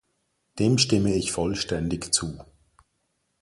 Dem stimme ich vollständig zu.